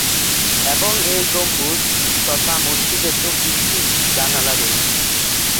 এবং এই গম্বুজ তথা মসজিদের মোট চব্বিশটি জানালা রয়েছে।